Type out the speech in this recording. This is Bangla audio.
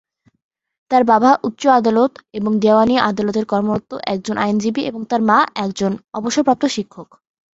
তার বাবা উচ্চ আদালত এবং দেওয়ানী আদালতে কর্মরত একজন আইনজীবী এবং তার মা একজন অবসরপ্রাপ্ত শিক্ষক।